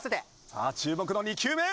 さあ注目の２球目。